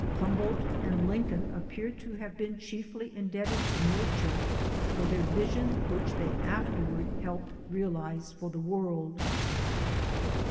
Humboldt and Lin coln appear to have been chiefly indebted to na ture for their vision which they afterward helped realize for the world.